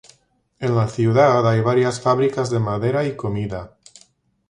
En la ciudad hay varias fabricas de madera y comida.